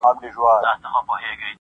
صوفي پرېښودې خبري د اورونو-